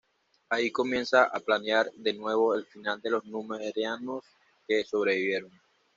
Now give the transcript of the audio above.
Ahí comienza a planear de nuevo el final de los Númenóreanos que sobrevivieron.